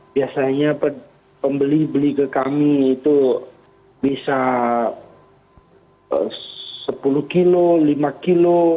biasanya pembeli beli ke kami itu bisa sepuluh kilo lima kilo